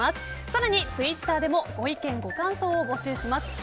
更にツイッターでもご意見、ご感想を募集します。